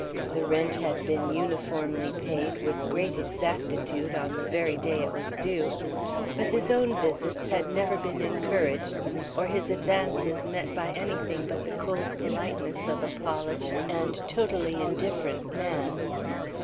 The rent had been uniformly paid with great exactitude on the very day it was due, but his own visits had never been encouraged or his advances met by anything but the cold politeness of a polished and totally indifferent man.